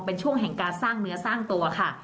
เป็นช่วงแห่งการสร้างเนื้อสร้างตัวค่ะ